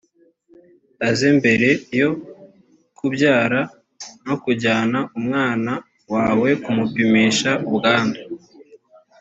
aze mbere yo kubyara no kujyana umwana wawe kumupimisha ubwandu